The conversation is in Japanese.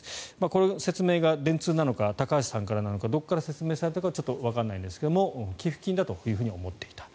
この説明が電通なのか高橋さんからなのかどこから説明されたかはちょっとわからないんですが寄付金だと思っていたと。